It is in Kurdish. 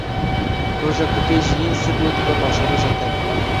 Roja ku tê jiyîn sibê dibe paşeroja te.